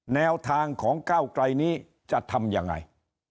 แนวทางของก้าวไกลนี้จะทำยังไง